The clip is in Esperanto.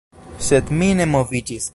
Sed mi ne moviĝis.